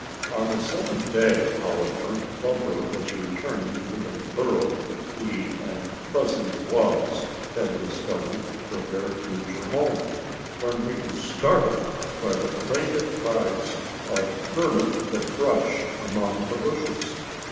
On the second day, however, Bumper was returning to a burrow that he and Fuzzy Wuzz had discovered for their future home, when he was startled by the plaintive cries of Hermit the Thrush among the bushes.